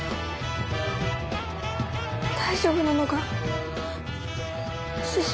大丈夫なのか師匠。